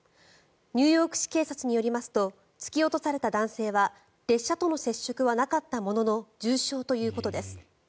ニューヨーク市警察によりますと突き落とされた男性は列車との接触はなかったものの重傷ということです。